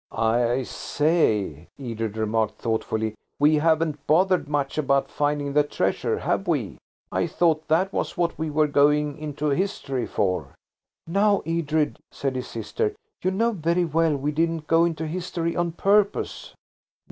"I say," Edred remarked thoughtfully, "we haven't bothered much about finding the treasure, have we? I thought that was what we were going into history for." "Now, Edred," said his sister, "you know very well we didn't go into history on purpose."